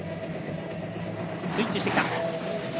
スイッチしてきた。